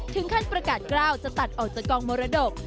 ประกาศกล้าวจะตัดออกจากกองมรดก